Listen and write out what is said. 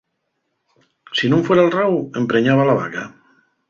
Si nun fuera'l rau, empreñaba la vaca.